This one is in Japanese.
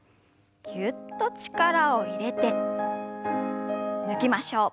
ぎゅっと力を入れて抜きましょう。